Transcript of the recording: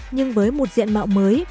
nhưng với một diện mạo mới